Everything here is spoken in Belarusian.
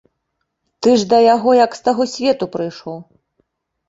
Ты ж да яго як з таго свету прыйшоў.